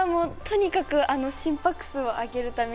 とにかく心拍数を上げるため